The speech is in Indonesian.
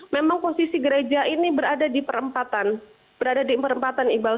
memang posisi gereja ini berada di perempatan berada di perempatan iqbal